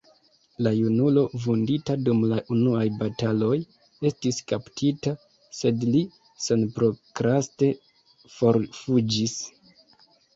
La junulo, vundita dum la unuaj bataloj, estis kaptita, sed li senprokraste forfuĝis.